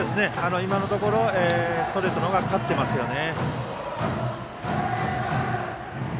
今のところストレートの方が勝ってますよね。